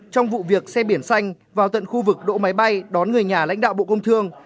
trong vụ việc xe biển xanh vào tận khu vực đỗ máy bay đón người nhà lãnh đạo bộ công thương